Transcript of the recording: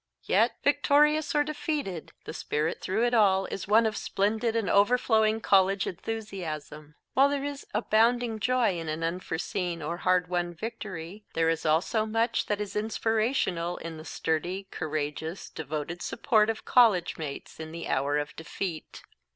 Yet, victorious or defeated, the spirit through it all is one of splendid and overflowing college enthusiasm. While there is abounding joy in an unforeseen or hard won victory there is also much that is inspirational in the sturdy, courageous, devoted support of college mates in the hour of defeat.